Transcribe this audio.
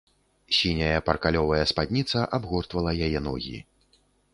Сіняя паркалёвая спадніца абгортвала яе ногі.